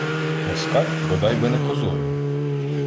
Москаль — бодай би не козою